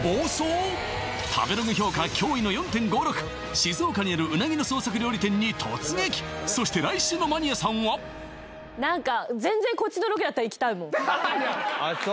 静岡にあるうなぎの創作料理店に突撃そして来週の「マニアさん」は何か全然こっちのロケだったら行きたいもん・あっそう？